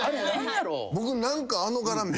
僕何か。